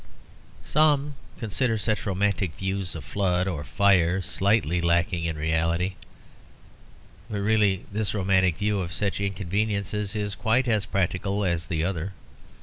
Some consider such romantic views of flood or fire slightly lacking in reality. But really this romantic view of such inconveniences is quite as practical as the other.